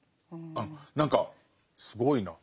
何かすごいな。